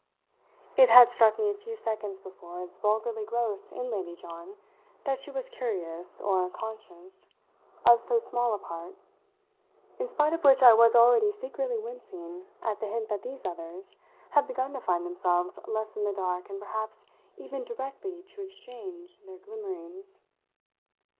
It had struck me a few seconds before as vulgarly gross in Lady John that she was curious, or conscious, of so small a part; in spite of which I was already secretly wincing at the hint that these others had begun to find themselves less in the dark and perhaps even directly to exchange their glimmerings.